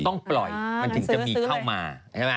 มันต้องปล่อยมันถึงจะมีเข้ามา